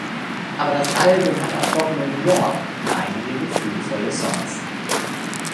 Aber das Album hat auch trockenen Humor und einige gefühlvolle Songs.